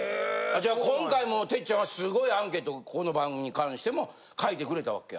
じゃあ今回も哲ちゃんはすごいアンケートをここの番組に関しても書いてくれた訳や。